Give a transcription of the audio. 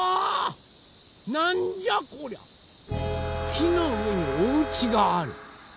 きのうえにおうちがある。